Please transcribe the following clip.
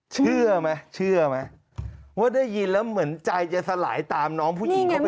เชื่อไหมเชื่อไหมว่าได้ยินแล้วเหมือนใจจะสลายตามน้องผู้หญิงเข้าไป